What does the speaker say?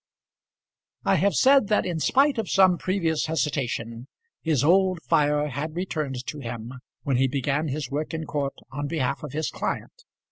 I have said that in spite of some previous hesitation his old fire had returned to him when he began his work in court on behalf of his client.